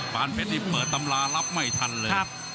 ปานเทคที่เปิดตำรารับไม่ทันเลย